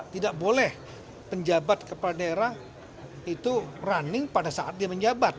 tidak boleh penjabat kepala daerah itu running pada saat dia menjabat